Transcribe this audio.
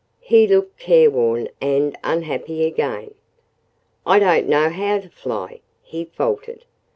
He looked careworn and unhappy again. "I don't know how to fly," he faltered.